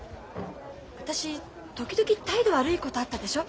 私時々態度悪いことあったでしょ。